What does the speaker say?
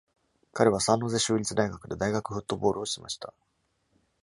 彼はサンノゼ州立大学で大学フットボールをしました。